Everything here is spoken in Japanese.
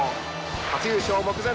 初優勝目前。